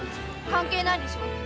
関係ないでしょ！